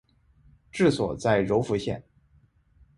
治所在柔服县。